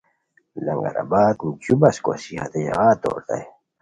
لنگرآباد جو بس کوسی ہتے ژاغا تورتائے